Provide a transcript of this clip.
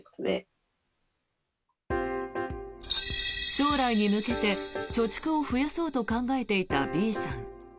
将来に向けて貯蓄を増やそうと考えていたＢさん。